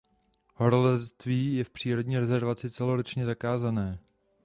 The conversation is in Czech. Horolezectví je v přírodní rezervaci celoročně zakázané.